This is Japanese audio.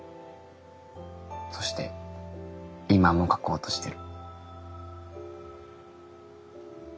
そして今も描こうとしてる。